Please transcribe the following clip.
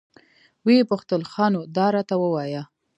ويې پوښتل ښه نو دا راته ووايه.